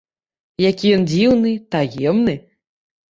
Які ён дзіўны, таемны!